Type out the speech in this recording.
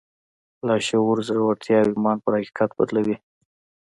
لاشعور زړورتيا او ايمان پر حقيقت بدلوي.